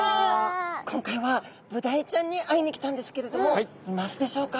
今回はブダイちゃんに会いに来たんですけれどもいますでしょうか？